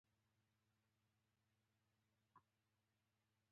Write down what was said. خبرو ته غوږ نیول هم ادب دی.